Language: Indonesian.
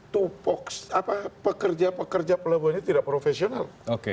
tupuk pekerja pekerja pelebuhannya tidak profesional